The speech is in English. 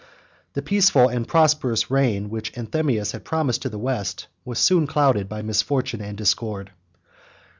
The peaceful and prosperous reign which Anthemius had promised to the West, was soon clouded by misfortune and discord.